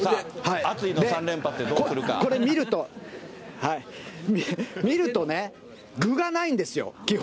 これ見ると、見るとね、具がないんですよ、基本。